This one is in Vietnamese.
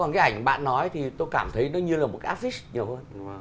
còn cái ảnh bạn nói thì tôi cảm thấy nó như là một cái áp phích nhiều hơn